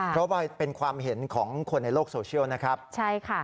เพราะว่าเป็นความเห็นของคนในโลกโซเชียล